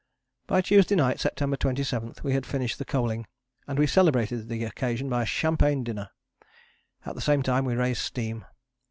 By Tuesday night, September 27, we had finished the coaling, and we celebrated the occasion by a champagne dinner. At the same time we raised steam.